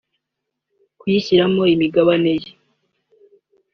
kuyishyiramo imigabane ye